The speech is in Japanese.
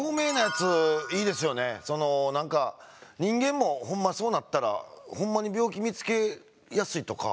その何か人間もほんまそうなったらほんまに病気見つけやすいとか。